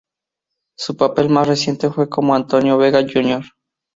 Su papel más reciente fue como Antonio Vega Jr.